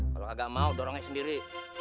kalau agak mau dorong aja sendiri